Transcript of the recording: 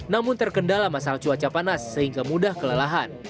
namun terkendala masalah cuaca panas sehingga mudah kelelahan